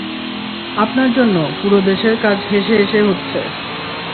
আপনার জন্য, পুরো দেশের কাজ হেসে হেসে হচ্ছে!